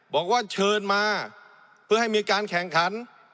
บอกว่าเชิญมาเพื่อให้มีการแข่งขัน